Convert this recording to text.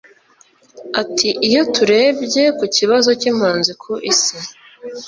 Ati"Iyo turebye ku kibazo cy’impunzi ku Isi